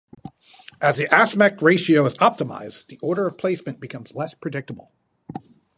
As the aspect ratio is optimized, the order of placement becomes less predictable.